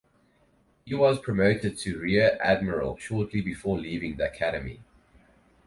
He was promoted to rear admiral shortly before leaving the Academy.